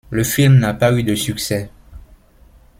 Le film n'a pas eu de succès.